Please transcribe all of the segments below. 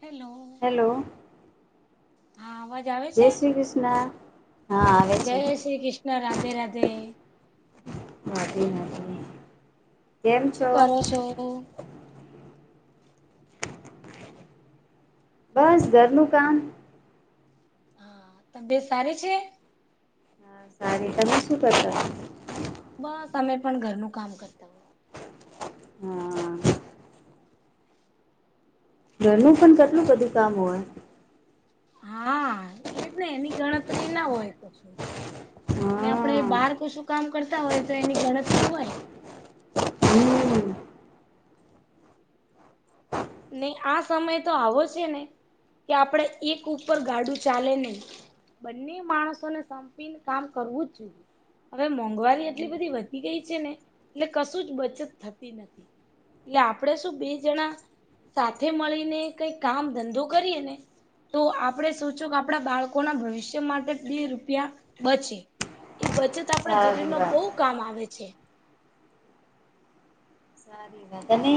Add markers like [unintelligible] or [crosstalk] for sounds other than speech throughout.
Hello. Hello. હા અવાજ આવે જય છે? શ્રી કૃષ્ણ હા. જય છે. શ્રી કૃષ્ણ રાધે રાધે. [unintelligible] શું કરો છો? બસ ઘરનું કામ. હા તબિયત સારી છે. [unintelligible] અને તમે શું કરતા બસ અમે પણ ઘરનું કામ કરતા હોય. હા આ ઘરનું પણ કેટલું બધું કામ હોય હા એજ ને એની ગણતરી ના હોય ને આપણે બહાર હા કશું કામ કરતા હોય તો એની ગણતરી હોય હમ નહી આ સમય તો આવો છે ને કે આપણે એક ઉપર ગાડું ચાલે નહી બંને માણસોને સંપીને કામ કરવું જ જોઈએ હવે મોંઘવારી એટલી બધી વધી ગઈ છે ને એટલે કશું જ બચત થતી નથી એટલે આપણે શું બે જણા સાથે મળીને કઈ કામ ધંધો કરીએ ને તો આપણે શું કે આપણા બાળકોના ભવિષ્ય માટે બે રૂપિયા બચે એ બચત આપણા [unintelligible] સારી રીરમાં વાત બહુ કામ આવે છે સારી તને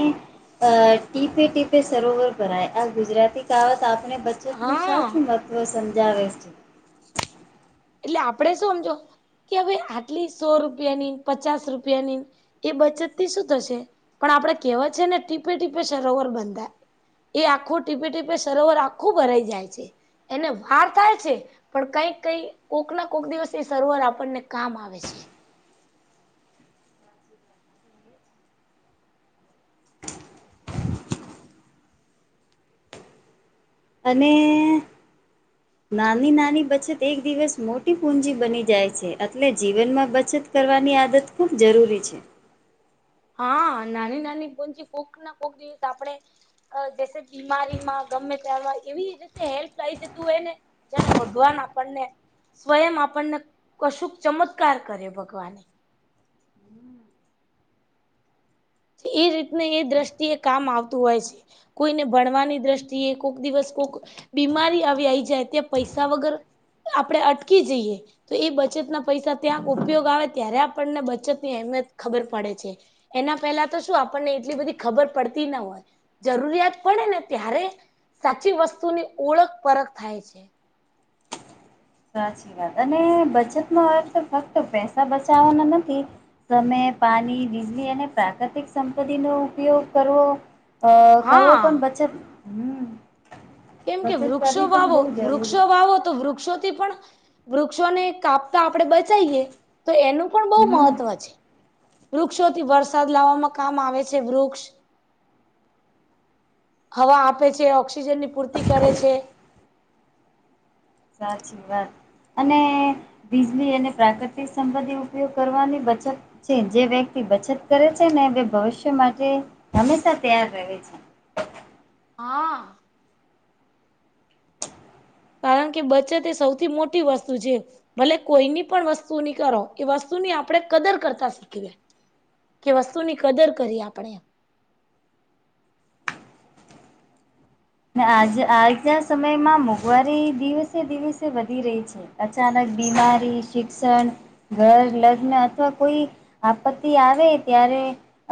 અ ટીપે ટીપે સરોવર ભરાય આ ગુજરાતી કહાવત આપને બ જેટલું હા સાચું મહત્ત્વ સમજાવે છે એટલે આપડે શું હમજો કે હવે આટલી સો રૂપિયાની પચાસ રૂપિયાની ન એ બચત થી શું થશે પણ આપડે કહેવત છે ને ટીપે ટીપે સરોવર બંધાય એ આખું ટીપે ટીપે સરોવર આખું ભરાઈ જાય છે એને વાર થાય છે પણ કઈ કઈ કોક ના કોક દિવસ એ સરોવર આપણને કામ આવે છે અને અ નાની નાની બચત એક દિવસ મોટી પૂજી બની જાય છે એટલે જીવનમાં બચત કરવાની આદત ખૂબ જરૂરી છે હા નાની નાની પૂજી કોક ના કોક દિવસ આપણે જે બીમારી માં ગમે ત એવી રીતે હેલ્પ લઇ જતું હોય ને જેને ભગવાન આપણને સ્વયં આપણને કશુંક ચમત્કાર કર્યો ભગવાને એ રીતને એ દ્રષ્ટિ એ કામ આવતું હોય છે કોઈને ભણવાની દ્રષ્ટિએ કોક દિવસ કોક બીમારી આવી આયી જાય ત પૈસા વગર આપણેે અટકી જઈએ તો એ બચતના પૈસા ત્યાં ઉપયોગ આવે ત્યારે આપણને બચત ની અહેમિયત ખબર પડે છે એના પેલા તો શું આપણને એટલી બધી ખબર પડતી ના હોય જરૂરિયાત પડે ને ત્યારે સાચી વસ્તુની ઓળખ પરખ થાય છે સાચી વાત અને બચતમાં અર્થ તો ફક્ત પૈસા બચાવવાના નથી સમય પાણી વીજળી અને પ્રાકૃતિક સંપતિ નો ઉપયોગ કરવો અ કરવો હા પણ બચત હમ કેમ કે બચત વૃક્ષો કરવી પણ વાવો બહુ વૃક્ષો જરૂરી વાવો તો વૃક્ષોથી પણ વૃક્ષોને કાપતા આપણે બચાઈએ તો એનું પણ બહુ હમ મહત્વ છે વૃક્ષોથી વરસાદ લાવવામાં કામ આવે છે વૃક્ષ હવા આપે છે ઓક્સિજન ની પૂર્તિ કરે છે સાચી વાત અને વીજળી અને પ્રાકૃતિક સંબંધી ઉપયોગ કરવાની બચત છે જે વ્યક્તિ બચત કરે છે ને એ ભવિષ્ય માટે હંમેશા તૈયાર રહે છે હા કારણ કે બચત એ સૌથી મોટી વસ્તુ છે ભલે કોઈની પણ વસ્તુ ની કરો એ વસ્તુની આપણે કદર કરતા શીખીએ કે વસ્તુની કદર કરી આપણે ને આજ આજના સમયમાં મોંઘવારી દિવસે દિવસે વધી રહી છે અચાનક બીમારી શિક્ષણ ઘર લગ્ન અથવા કોઈ આપત્તિ આવે ત્યારે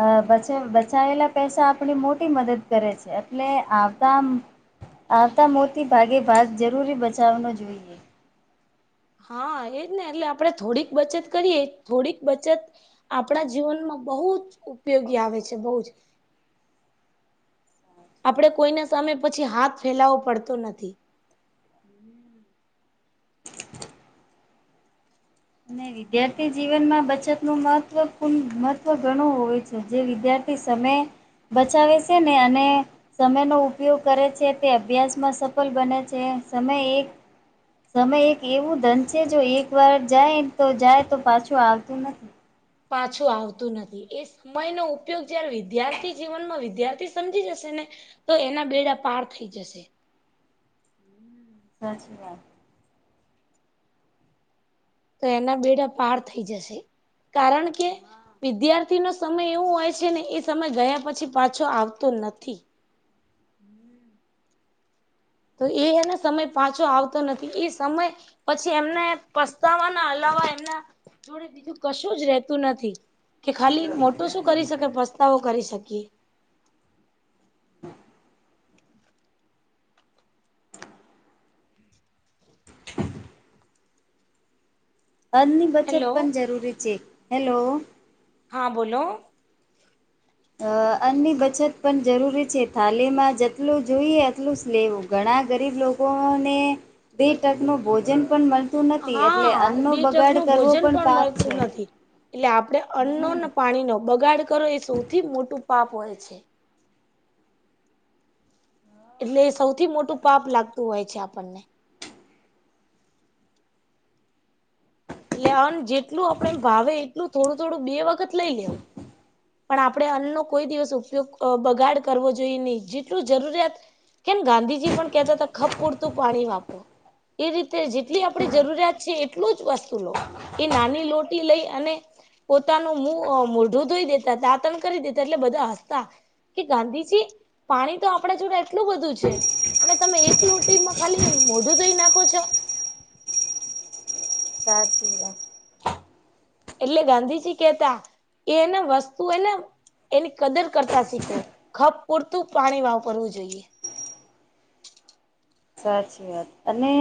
અ બચ બચાવેલા પૈસા આપણી મોટી મદદ કરે છે એટલે આવતા મોટી ભાગે ભાગ જરૂરી બચાવનો જોઈએ હા એજ ને એટલે આપડણે થોડીક બચત કરીએ થોડીક બચત આપણા જીવનમાં બહુ જ ઉપયોગી આવે છે બહુ જ આપડણે કોઈના સામે પછી હાથ ફેલાવો પડતો નથી નવી વિદ્યાર્થી જીવનમાં બચતનુંું મહત્વૂ મહત્વ ઘણું હોય છે જે વિદ્યાર્થી સમય બચાવે છે ને અને સમયનોો ઉપયોગ કરે છે તે અભ્યાસમાં સફળ બને છે સમય એક સમય એક એવું ધન છે જો એક વાર જાય તો જાય તો પાછું આવતું નથી પાછું આવતું નથી એ મયનો ઉપયોગ જયારે વિદ્યાર્થી જીવનમાં વિદ્યાર્થી સમજી જશે ને તો એના બેડા પાર થઈ જશે સાત શ્રી વા તો એના બેડા પાર થઈ જશે કારણ કે વિદ્યાર્થી ન સમય એવું હોય છે ને એ સમય ગયા પછી પાછો આવતો નથી તો એને સમય પાછો આવતો નથી એ સમય પછી એમને પસ્તાવા ના હલાવા એમના જોડે બીજું કશું જ રતું નથી કે ખાલી મોટો શું કરી શકે પસ્તાવો કરી શકીએ અનની બચત પણ હેલો જરૂરી છે હેલો હા બોલો અ અન્ની બચત પણ જરૂરી છે થાલીમાં જેટલું જોઈએ એટલું જ લેવું ઘણા ગરીબ લોકોને બે ટક ન ભોજન પણ મળ શું નથી એટલે હા અન્નો બે ટક બગાડ નું કરવો ભોજન પણ પાપ મળતું છે નથી એટલે આપડણે અન્નો હમ અનેને પાણીનોો બગાડ કરો એ સૌથી મોટું પાપ હોય છે એટલે સૌથી મોટું પાપ લાગતું હોય છે આપણને એટલે આ જેટલું આપડે ભાવે એટલું થોડું થોડું બે વખત લઈ લેવું પણ આપણે અન્નનો કોઈ દિવસ ઉપયોગ બગાડ કરવો જોઈએ નહી જેટલું જરૂરિયાત કેમ ગાંધીજી પણ કેહેતા હતા ખપ પૂરતું પાણી વાપરો એ રીતે જેટલી આપણે જરૂરિયાત છે એટલું જ વસ્તુ લો એ નાની લોટી લઈ અને પોતાનું મુ મોઢું ધોઈ દે દાતન કરી દેતા એટલે બધા હસતા કે ગાંધીજી પાણી તો આપડે જોડ એટલું બધું છે અને તમે એક લોટીમાં ખાલી મોઢું ધોઈ નાખો છો સારચીએ એટલે ગાંધીજી કેતા એને વસ્તુ એને એની કદર કરતા શીખો ખપ પૂરતું પાણી વાપરવું જોઈએ સાચી વાત અને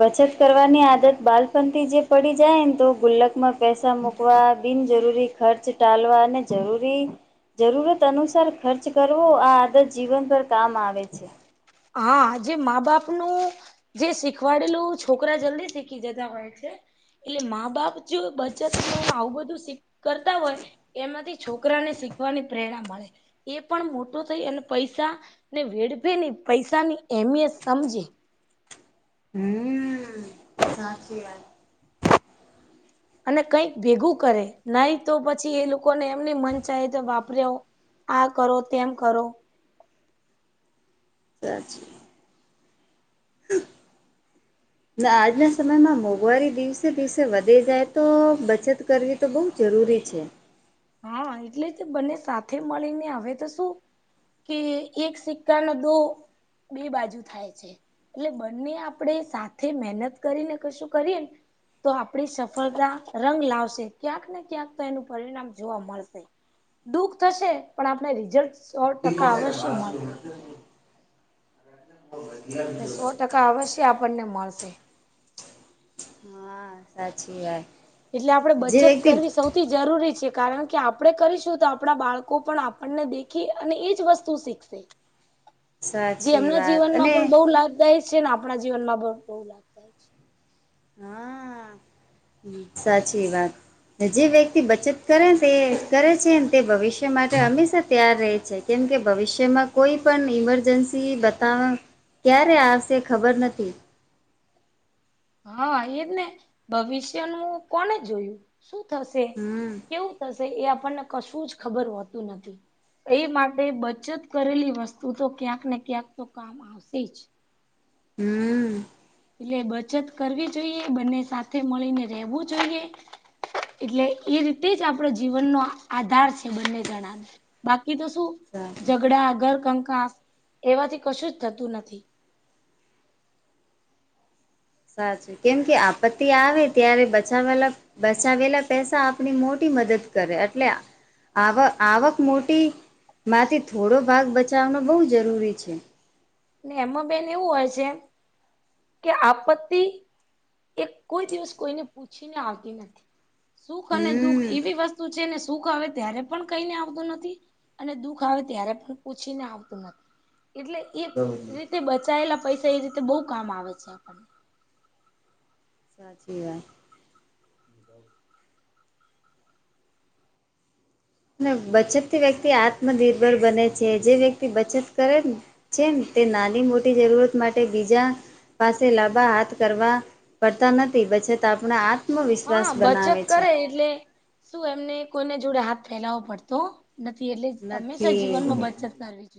બચત કરવાની આદત બાલપણ થી જે પડી જાય ને તો ગુલ્લકમાં પૈસા મુકવા બિનજરૂરી ખર્ચ ટાલવા અને જરૂરી જરૂરત અનુસાર ખર્ચ કરવો આ આદત જીવન પર કામ આવે છે હા જે મા બાપ નું જે શીખવાડેલું છોકરા જલ્દી શીખી જતા હોય છે એટલે મા બાપ જો બચત નુંને આવું બધું શીખ કરતા હોય એમાંથી છોકરાને શીખવાની પ્રેરણા મળે એ પણ મોટો થઈ અને પૈસા ને વેડફે ને પૈસાની અમિયત સમજે. હમ. સાચી વાત. અને કઈક ભેગું કરે નઈ તો પછી એ લોકોને એમની મન ચાહે તો વાપર્યા આ કરો તેમ કરો. સાચી વાત. ના આજના સમયમાં મોંઘવારી દિવસે દિવસે વધી જાય તો બચત કરવી તો બઉ જરૂરી છે. હા એટલે જ બંને સાથે મળીને હવે તો શું. કે એક સિક્કા ન દો બે બાજુ થાય છે. એટલે બંને આપણે સાથે મહેનત કરીને કશું કરીએ ને તો આપડી સફળતા રંગ લાવશે ક્યાંક ને ક્યાંક તો એનું પરિણામ જોવા મળશે દુઃખ થશે પણ આપને રિઝલ્ટ સો ટકા અવશ્ય મળશે. એ સો ટકા અવશ્ય આપણને મળશે. હા. સાચી વાત. એટલે આપણે જે બચત વ્યક્તિ કરવી સૌથી સથી જરૂરી છે કારણ કે આપણે કરીશું તો આપણા બાળકો પણ આપણને દેખી અને એ જ વસ્તુ શીખશે. [inaudible] જે એમના વાત જીવનમાં અને પણ બહુ લાભદાય છે ને આપણા જીવનમાં પણ બહુ લાભ હા સાચી વાત. જે વ્યક્તિ બચત કરે તે કરે છે ને તે ભવિષ્ય માટે હંમેશા તૈયાર રહે છે. કેમ કે ભવિષ્યમાં કોઈ પણ ઈમરજન્સી બતાવા ક્યારે આવશે ખબર નથી. હા એજ ને ભવિષ્ય નું કોને જોયું. શું થશે હમ કેવું થશે એ આપણને કશું જ ખબર હોતું નથી. એ માટે બચત કરેલી વસ્તુ તો ક્યાંકને ક્યાંક તો કામ આવશે જ. હમ. એટલે બચત કરવી જોઈએ બંને સાથે મળીને રહેવું જોઈએ. એટલે એ રીતે જ આપડો જીવનનો આધાર છે બંને જણાને બાકી તો શું સારું ઝઘડા ઘર કંકાાસ એવાથી કશું જ થતું નથી. સાચું કેમ કે આપત્તિ આવે ત્યારે બચા વાલા બચાવેલા પૈસા આપણી મોટી મદદ કરે એટલે આવક આવક મોટીમાંથી થોડો ભાગ બચાવનો બહુ જરૂરી છે. એમાં બેન એવું હોય છેમ કે આપત્તિ એ કોઈ દિવસ કોઈને પૂછીને આવતી નથી સુખ અને દુઃખ હમ એવી વસ્તુઓ છે ને સુખ આવે ત્યારે પણ કઈને આવતું નથી. અને દુઃખ આવે ત્યારે પણ પૂછીને આવતું નથી એટલે એ રીતે બચાયેલા પૈસા એ રીતે બહુ કામ આવે છે આપણને. સાચી વાત. ને બચત થી વ્યક્તિ આત્મનિર્ભર બને છે જે વ્યક્તિ બચત કરે ને છેમ તે નાની મોટી જરૂરત માટે બીજા પાસે લાંબા હાથ કરવા પડતા નથી બચત આપણા હાથ હા બચત કરે એટલે શું એમને કોઈને જોડે હાથ ફેલાવવો પડતો. નથી એટલે હંમેશા નથી જીવનમાં બચત કરવી જોઈએ.